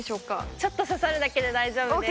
ちょっとささるだけで大丈夫です。